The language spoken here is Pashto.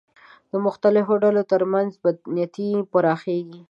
د مختلفو ډلو تر منځ بدنیتۍ پراخېږي